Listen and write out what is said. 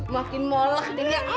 makin moleh deh ya